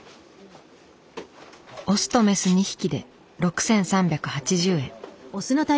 オスとメス２匹で６，３８０円。